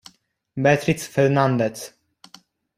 Beatriz Fernández